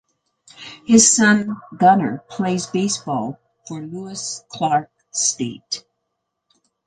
His son, Gunnar, plays baseball for Lewis-Clark State.